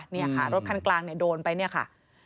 เนี่ยค่ะรถคันกลางโดนไปเนี่ยค่ะ